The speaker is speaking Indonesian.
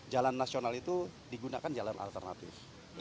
jalan nasional itu digunakan jalan alternatif